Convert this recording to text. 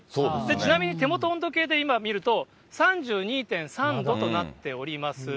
ちなみに手元温度計で今見ると、３２．３度となっております。